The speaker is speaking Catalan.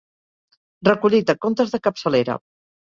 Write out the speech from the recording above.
Recollit a Contes de capçalera.